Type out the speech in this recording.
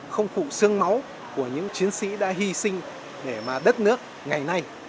không phụ xương máu của những chiến sĩ đã hy sinh để mà đất nước ngày nay